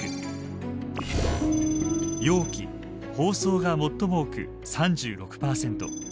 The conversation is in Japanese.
容器・包装が最も多く３６％。